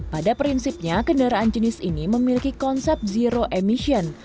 pada prinsipnya kendaraan jenis ini memiliki konsep zero emission